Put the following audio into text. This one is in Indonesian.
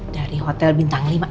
dari hotel bintang lima